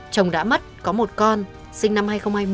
chồng đã mất có một con sinh năm hai nghìn hai mươi